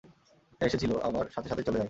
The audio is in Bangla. হ্যাঁ, এসেছিল, আবার সাথে সাথেই চলে যায়।